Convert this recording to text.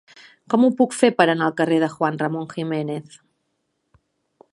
Com ho puc fer per anar al carrer de Juan Ramón Jiménez?